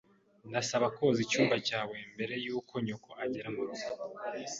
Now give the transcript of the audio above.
Ndasaba koza icyumba cyawe mbere yuko nyoko agera murugo.